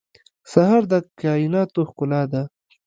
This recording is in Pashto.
سهار د کایناتو ښکلا ده.